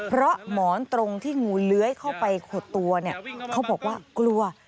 เพราะหมอนตรงที่งูเลื้อยเข้าไปขดตัวเนี่ยเขาบอกว่ากลัว